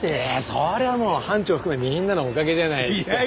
そりゃもう班長含めみんなのおかげじゃないですか。